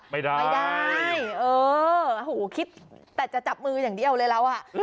ไม่ได้ไม่ได้เออหูคิดแต่จะจับมืออย่างเดียวเลยเราอ่ะ